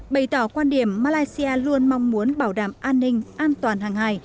bày tỏ quan điểm malaysia luôn mong muốn bảo đảm an ninh an toàn hàng hài